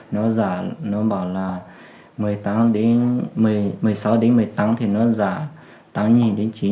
nó bảo là một mươi sáu một mươi tám thì nó giả tám chín thì giả